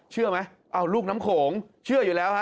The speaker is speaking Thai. เชื่อไหมลูกน้ำโขงเชื่ออยู่แล้วฮะ